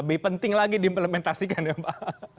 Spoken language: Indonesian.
lebih penting lagi diimplementasikan ya mbak